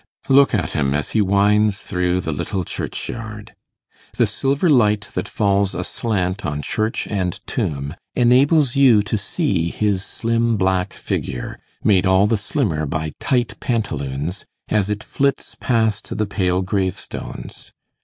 Look at him as he winds through the little churchyard! The silver light that falls aslant on church and tomb, enables you to see his slim black figure, made all the slimmer by tight pantaloons, as it flits past the pale gravestones.